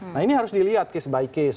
nah ini harus dilihat case by case